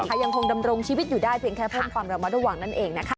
ใครยังคงดำรงชีวิตอยู่ได้เพียงแค่พร้อมความรับมาระหว่างนั่นเองนะครับ